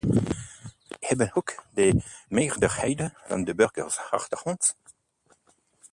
We hebben ook de meerderheid van de burgers achter ons.